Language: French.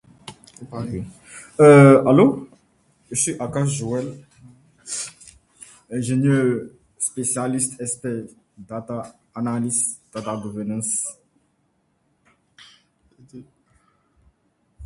La marque est surtout connue pour ses couteaux de combat.